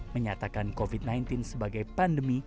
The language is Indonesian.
menyatakan covid sembilan belas sebagai pandemi